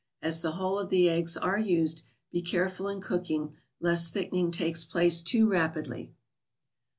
As the whole of the eggs are used, be careful in cooking, lest thickening take place too rapidly.